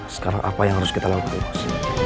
sekarang apa yang harus kita lakukan